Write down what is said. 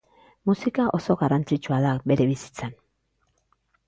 Musika oso garrantzitsua da bere bizitzan.